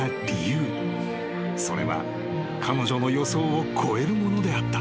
［それは彼女の予想を超えるものであった］